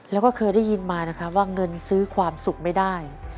แล้วก็เคยได้ยินมานะครับว่าเงินซื้อความสุขไม่ได้